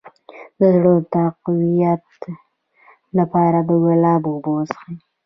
د زړه د تقویت لپاره د ګلاب اوبه وڅښئ